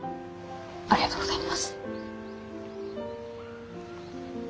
ありがとうございます。